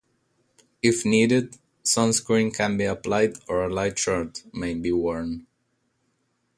If needed, sunscreen can be applied or a light shirt may be worn.